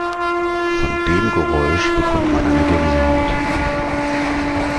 Von dem Geräusch bekommt man eine Gänsehaut.